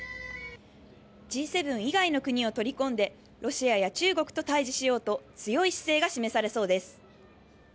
Ｇ７以外の国を取り込んで、ロシアや中国と対じしようと、強い姿勢が示されそうです。